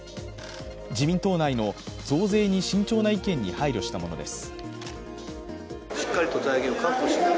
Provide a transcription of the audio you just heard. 自民党内の増税に慎重な意見に配慮したものです。